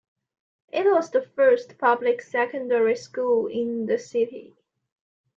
It was the first public secondary school in the city.